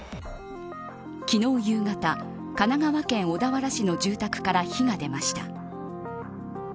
昨日夕方、神奈川県小田原市の住宅から火が出ました。